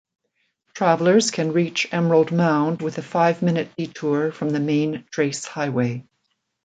Travelers can reach Emerald Mound with a five-minute detour from the main trace highway.